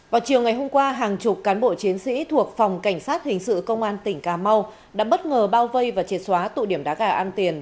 vào chiều ngày hôm qua hàng chục cán bộ chiến sĩ thuộc phòng cảnh sát hình sự công an tỉnh cà mau đã bất ngờ bao vây và triệt xóa tụ điểm đá gà an tiền